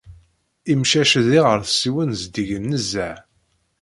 Imcac d iɣersiwen zeddigen nezzeh.